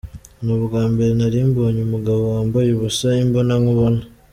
Ni ubwa mbere nari mbonye umugabo wambaye ubusa imbonankubone.